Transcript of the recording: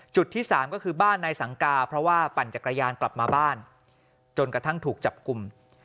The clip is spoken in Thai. ที่สามก็คือบ้านนายสังกาเพราะว่าปั่นจักรยานกลับมาบ้านจนกระทั่งถูกจับกลุ่ม